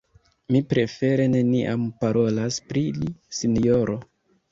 Mi prefere neniam parolas pri li, sinjoro.